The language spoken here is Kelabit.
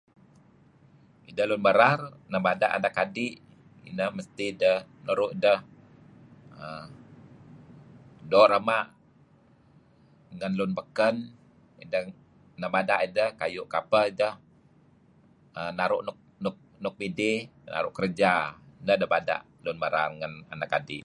Ideh lun merar nebada' anak adi' ideh mesti nuru' deh err doo' rema' ngen lun beken nabada' ideh kayu' kapeh ideh naru' luk midih naru' kerja. Neh tebada' ideh lun merar ngan anak adi'